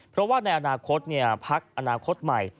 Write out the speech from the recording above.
เพราะว่าในอนาคตพักอนาคตใหม่